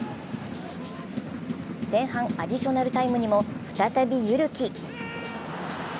前半アディショナルタイムにも再び汰木。